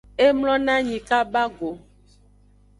E mlonanyi kaba go.